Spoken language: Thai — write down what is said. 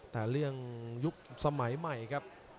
แต่เรื่องยุคสมัยใหม่ครับ